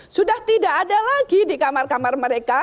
sudah tidak ada lagi di kamar kamar mereka